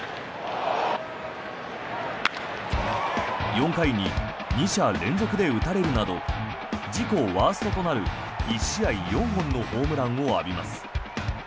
４回に２者連続で打たれるなど自己ワーストとなる１試合４本のホームランを浴びます。